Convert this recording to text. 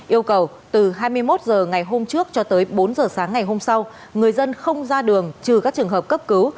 yêu cầu từ hai mươi một h ngày hôm trước cho tới bốn h sáng ngày hôm sau người dân không ra đường trừ các trường hợp cấp cứu